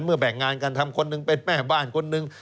แบ่งงานกันทำคนหนึ่งเป็นแม่บ้านคนหนึ่ง